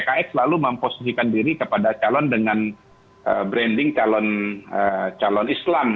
jadi pks selalu memposisikan diri kepada calon dengan branding calon islam